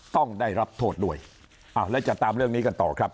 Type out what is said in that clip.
ต้องได้รับโทษด้วยอ้าวแล้วจะตามเรื่องนี้กันต่อครับ